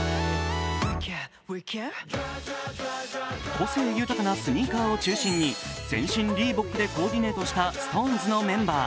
個性豊かなスニーカーを中心に全身リーボックでコーディネートしたＳｉｘＴＯＮＥＳのメンバー。